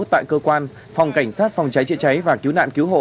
tại cơ quan phòng cảnh sát phòng cháy chữa cháy và cứu nạn cứu hộ